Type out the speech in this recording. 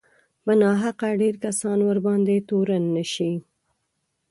په ناحقه ډېر کسان ورباندې تورن نه شي